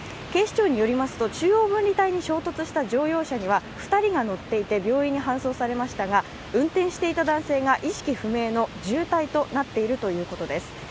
警視庁によりますと、中央分離帯に衝突した乗用車には２人が乗っていて病院に搬送されましたが運転していた男性が意識不明の重体となっているということです。